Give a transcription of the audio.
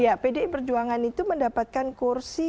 ya pdi perjuangan itu mendapatkan kursi